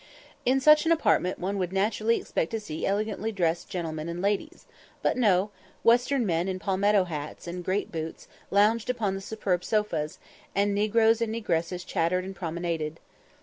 In such an apartment one would naturally expect to see elegantly dressed gentlemen and ladies; but no western men, in palmetto hats and great boots, lounged upon the superb sofas, and negroes and negresses chattered and promenaded.